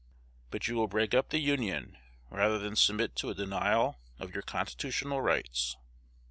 But you will break up the Union rather than submit to a denial of your constitutional rights.